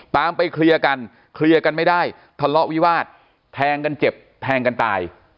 ไปเคลียร์กันเคลียร์กันไม่ได้ทะเลาะวิวาสแทงกันเจ็บแทงกันตาย